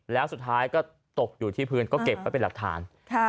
แล้วสุดท้ายก็ตกอยู่ที่พื้นก็เก็บไว้เป็นหลักฐาน